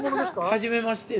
◆初めまして。